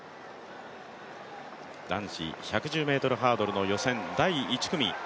男子１１０ｍハードルの予選、第１組。